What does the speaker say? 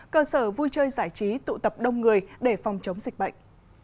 cơ sở vui chơi giải trí tụ tập đông người để phòng chống dịch bệnh